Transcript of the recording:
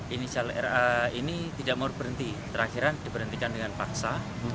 ini tidak mau berhenti terakhiran diberhentikan dengan paksa